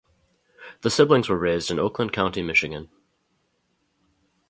The siblings were raised in Oakland County, Michigan.